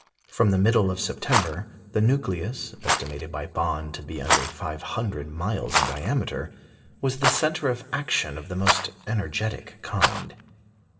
From the middle of September, the nucleus, estimated by Bond to be under five hundred miles in diameter, was the centre of action of the most energetic kind.